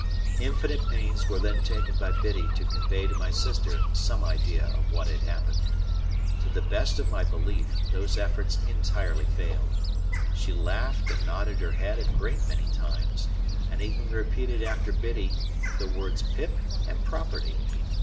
Infinite pains were then taken by Biddy to convey to my sister some idea of what had happened. To the best of my belief, those efforts entirely failed. She laughed and nodded her head a great many times, and even repeated after Biddy, the words "Pip" and "Property."